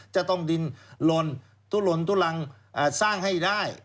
จะต้องดินลนตู้ลนตู้รังสร้างให้ได้